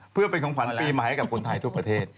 เพื่อเป็นของขวัญปีใหม่ให้กับคนไทยทุกประเทศ